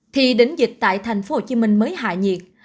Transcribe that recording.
thì đỉnh dịch tại tp hcm mới hạ nhiệt